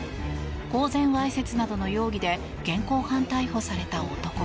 公然わいせつなどの容疑で現行犯逮捕された男。